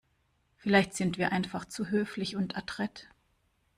Vielleicht sind wir einfach zu höflich und adrett.